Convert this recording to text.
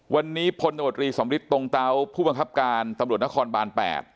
วันนี้พลตมตรีสำริทตรงเตาผู้บังคับการตำรวจนครบาน๘